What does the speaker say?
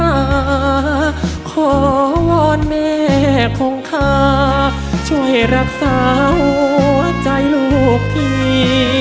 ลูกจะกลับมาขอวอนแม่ของขาช่วยรักษาหัวใจลูกที่